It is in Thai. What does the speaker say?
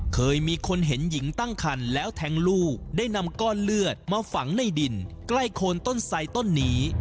เคยมีคนเห็นหญิงตั้งคันแล้วแทงลูกได้นำก้อนเลือดมาฝังในดินใกล้โคนต้นไสต้นนี้